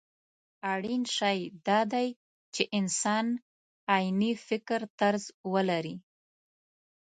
اړين شی دا دی چې انسان عيني فکرطرز ولري.